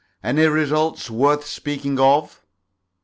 Any results worth speaking of?"